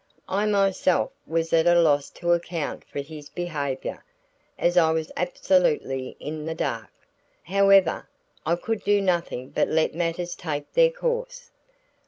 I myself was at a loss to account for his behavior; as I was absolutely in the dark, however, I could do nothing but let matters take their course.